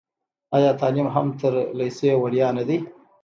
آیا تعلیم هم تر لیسې وړیا نه دی؟